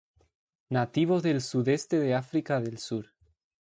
Nativo del sudeste de África del sur.